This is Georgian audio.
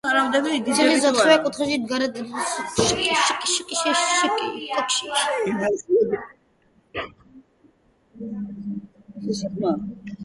ციხის ოთხივე კუთხეში მდგარა ცილინდრული კოშკი, რომლებიც მთელი კორპუსით გალავნის ფარგლებს გარეთ იყო გასული.